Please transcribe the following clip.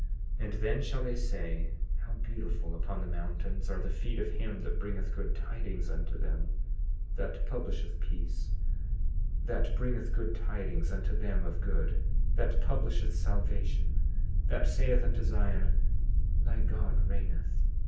20:40 And then shall they say: How beautiful upon the mountains are the feet of him that bringeth good tidings unto them, that publisheth peace; that bringeth good tidings unto them of good, that publisheth salvation; that saith unto Zion: Thy God reigneth!